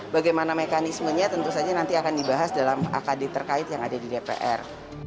bagaimana mekanismenya tentu saja nanti akan dibahas dalam akd terkait yang ada di dpr